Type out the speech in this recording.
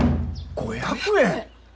５００円！？